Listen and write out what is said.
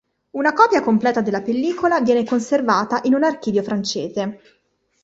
Una copia completa della pellicola viene conservata in un archivio francese.